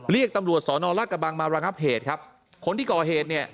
เรียกตำรวจสอนอราชกระบังมาระงับเหตุครับคนที่ก่อเหตุเนี่ย